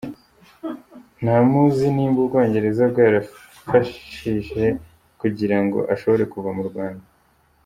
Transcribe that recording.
Ntawuzi nimba Ubwongereza bwarafashije kugirango ashobore kuva mu Rwanda.